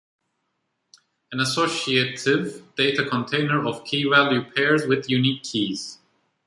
An associative data container of key-value pairs with unique keys.